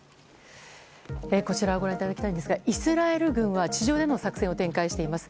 こちらご覧いただきたいんですがイスラエル軍は地上での作戦を展開しています。